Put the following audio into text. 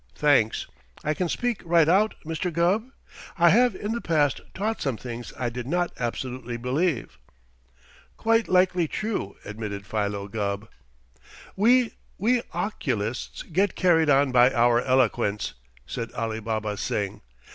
Thanks. I can speak right out, Mr. Gubb? I have in the past taught some things I did not absolutely believe." "Quite likely true," admitted Philo Gubb. "We we occulists get carried on by our eloquence," said Alibaba Singh.